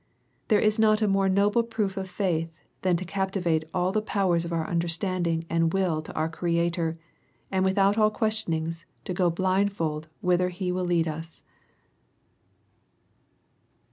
There is not a more noble proof of faith than to captivate all the powers of our understanding and will to our Creator, and without all questionings to go blindfold whither He will lead us."